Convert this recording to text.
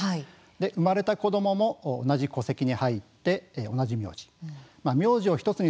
産まれた子どもも同じ戸籍に入って同じ名字に。